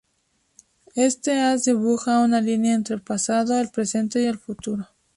Este haz dibuja una línea entre pasado, el presente y el futuro.